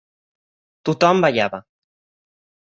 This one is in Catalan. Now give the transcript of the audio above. Tothom ballava.